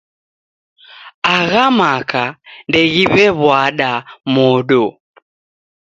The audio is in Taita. Agha maka ndeghiw'ew'wada modo.